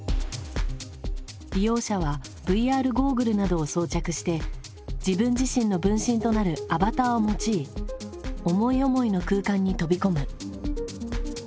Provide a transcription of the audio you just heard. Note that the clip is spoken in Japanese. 利用者はＶＲゴーグルなどを装着して自分自身の分身となる「アバター」を用い思い思いの空間に飛び込む。